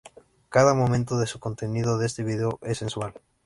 Cada momento de su contenido de este vídeo es sensual.